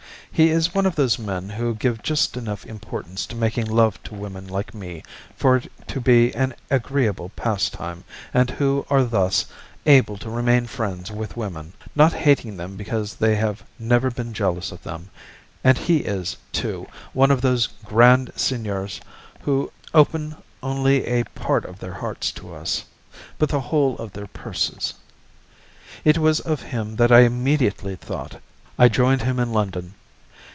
He is one of those men who give just enough importance to making love to women like me for it to be an agreeable pastime, and who are thus able to remain friends with women, not hating them because they have never been jealous of them, and he is, too, one of those grand seigneurs who open only a part of their hearts to us, but the whole of their purses. It was of him that I immediately thought. I joined him in London.